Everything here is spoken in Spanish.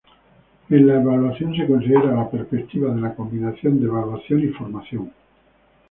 En la evaluación se considera la perspectiva de la combinación de evaluación y formación.